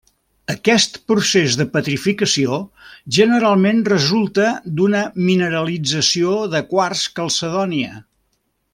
Aquest procés de petrificació generalment resulta d'una mineralització de quars calcedònia.